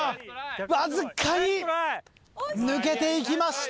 わずかに抜けていきました。